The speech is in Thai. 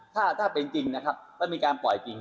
ถ้าเป็นจริงนะครับก็มีการปล่อยจริง